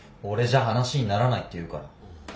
俺じゃ話にならないって言うから。